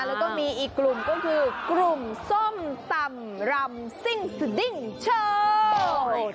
แล้วก็มีอีกกลุ่มก็คือกลุ่มส้มตำรำซิ่งสดิ้งเชิญ